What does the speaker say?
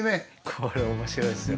これ面白いですよ。